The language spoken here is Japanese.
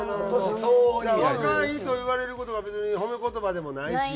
若いと言われる事が別に褒め言葉でもないし。